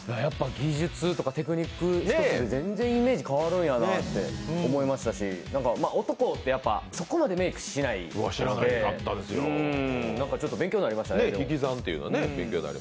技術とかテクニック１つで全然メークって変わるんやなと思いましたし、男って、そこまでメークしないので何かちょっと勉強になりましたね。